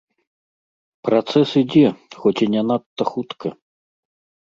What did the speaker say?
Працэс ідзе, хоць і не надта хутка.